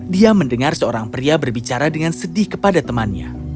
dia mendengar seorang pria berbicara dengan sedih kepada temannya